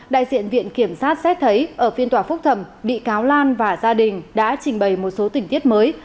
đại diện viện kiểm sát xét thấy ở phiên tòa phúc thẩm bị cáo lan và gia đình đã trình bày một số tình tiết mới